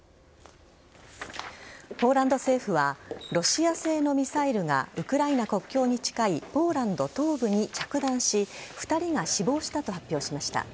ポーランド政府はロシア製のミサイルがウクライナ国境に近いポーランド東部に着弾し２人が死亡したと発表しました。